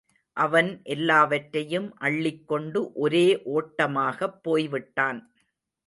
அவன் எல்லாவற்றையும் அள்ளிக்கொண்டு ஒரே ஓட்டமாகப் போய் விட்டான்.